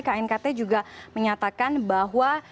knkt juga menyatakan bahwa